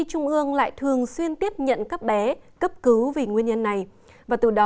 trung ương lại thường xuyên tiếp nhận các bé cấp cứu vì nguyên nhân này và từ đó